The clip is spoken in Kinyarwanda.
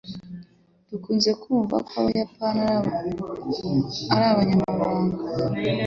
Dukunze kumva bavuga ko abayapani ari abagumyabanga